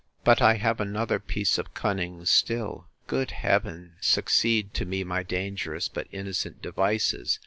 But I have another piece of cunning still: Good Heaven, succeed to me my dangerous, but innocent devices!